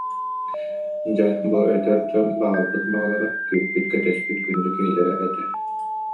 Дьэ бу эдэр дьон баҕарбыт баҕалара, күүппүт-кэтэспит күндү киһилэрэ этэ